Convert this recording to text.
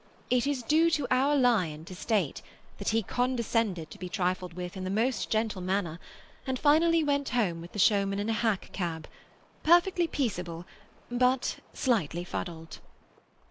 It is due to our lion to state, that he condescended to be trifled with, in the most gentle manner, and finally went home with the showman in a hack cab: perfectly peaceable, but slightly fuddled.